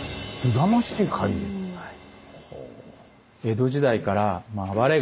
はい。